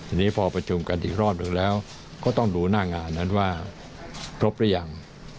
ทีนี้พอประชุมกันอีกรอบหนึ่งแล้วก็ต้องดูหน้างานนั้นว่าครบหรือยัง